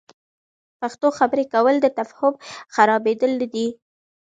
پښتو خبرې کول، د تفهم خرابیدل نه وي.